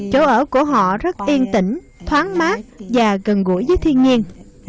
chỗ ở của họ rất yên tĩnh thoáng mát và gần gũi với thiên nhiên